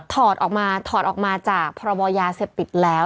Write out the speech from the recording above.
ถอดออกมาถอดออกมาจากพรบยาเสพติดแล้ว